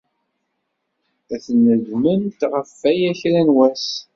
Ad tnedmemt ɣef waya kra n wass.